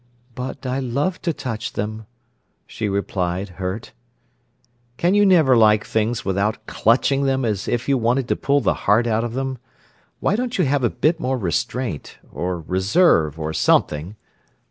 "But I love to touch them," she replied, hurt. "Can you never like things without clutching them as if you wanted to pull the heart out of them? Why don't you have a bit more restraint, or reserve, or something?"